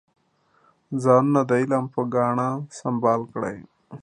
ځانونه د علم په ګاڼه سنبال کړئ.